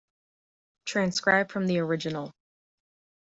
Transcribed from the original.